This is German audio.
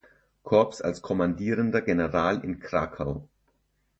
Korps als Kommandierender General in Krakau.